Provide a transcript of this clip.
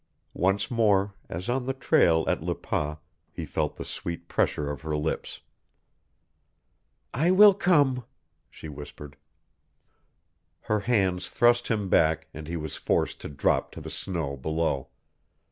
Once more, as on the trail at Le Pas, he felt the sweet pressure of her lips. "I will come," she whispered. Her hands thrust him back and he was forced to drop to the snow below.